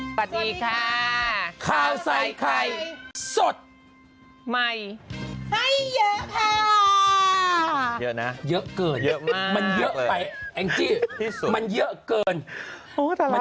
สวัสดีค่ะข้าวใส่ไข่สดใหม่ให้เยอะค่ะเยอะนะเยอะเกินเยอะมาก